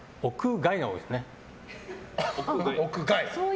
外が多いですね。